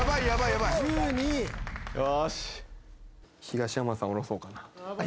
東山さん降ろそうかな。